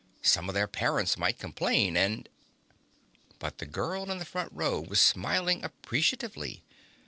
Some of their parents might complain, and ... But the girl in the front row was smiling appreciatively.